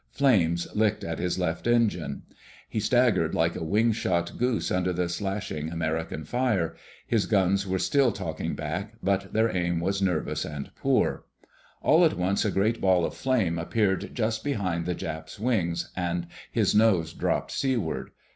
Flame licked at his left engine. He staggered like a wing shot goose under the slashing American fire. His guns were still talking back, but their aim was nervous and poor. All at once a great ball of flame appeared just behind the Jap's wings, and his nose dropped seaward.